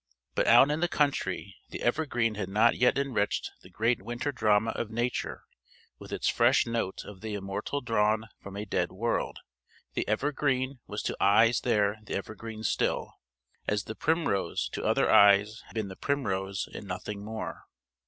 But out in the country the evergreen had not yet enriched the great winter drama of Nature with its fresh note of the immortal drawn from a dead world: the evergreen was to eyes there the evergreen still, as the primrose to other eyes had been the primrose and nothing more.